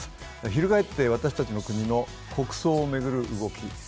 ひるがえって私たちの国の国葬を巡る動き。